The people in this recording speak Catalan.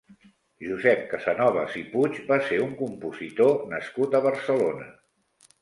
Josep Casanovas i Puig va ser un compositor nascut a Barcelona.